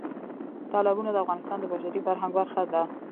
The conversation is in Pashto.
تالابونه د افغانستان د بشري فرهنګ برخه ده.